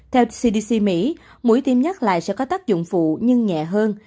theo cdc mỹ mũi tiêm nhắc lại sẽ có tác dụng phụ nhưng nhẹ hơn